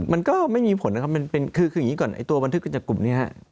มันก็ไม่มีผลนะครับคืออย่างนี้ก่อนตัวบันทึกการจับกลุ่มเนี่ยครับ